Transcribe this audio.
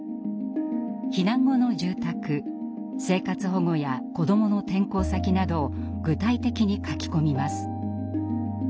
避難後の住宅生活保護や子どもの転校先など具体的に書き込みます。